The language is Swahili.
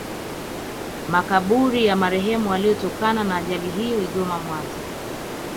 Makaburi ya marehemu waliotokana na ajali hiyo Igoma Mwanza